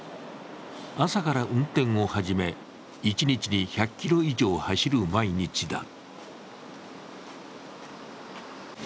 朝から運転を始め、一日に１００ｋｍ以上走る毎日だ。